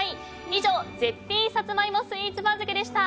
以上、絶品さつまいもスイーツ番付でした。